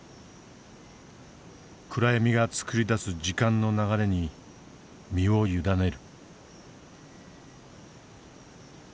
暗闇が作り出す時間の流れに身を委ねる。